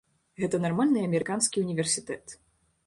Гэта нармальны амерыканскі універсітэт.